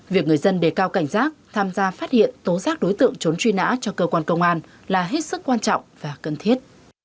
việc người dân đề cao cảnh giác tham gia phát hiện tố giác đối tượng trốn truy nã cho cơ quan công an là hết sức quan trọng và cần thiết